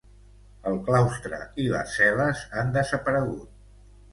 El claustre i les cel·les han desaparegut.